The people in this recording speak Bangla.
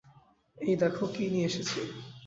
এই দেখো, কী নিয়ে এসেছি।